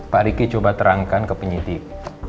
pak riki coba terangkan ke penyidik